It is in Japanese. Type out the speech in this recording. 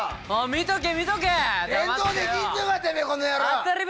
見とけ、見とけ。